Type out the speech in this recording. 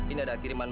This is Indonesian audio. ini ada kiriman baru